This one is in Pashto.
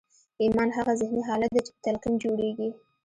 ایمان هغه ذهني حالت دی چې په تلقین جوړېږي